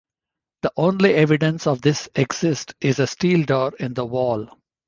The only evidence of this exit is a steel door in the wall.